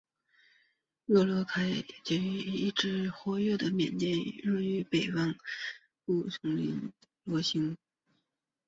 若开罗兴亚救世军是一支活跃于缅甸若开邦北部丛林的罗兴亚人武装集团。